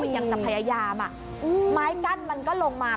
ยังจะพยายามไม้กั้นมันก็ลงมา